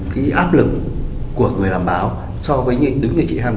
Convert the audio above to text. cái áp lực của người làm báo so với như đứng như chị hằng